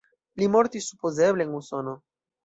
Li mortis supozeble en Usono.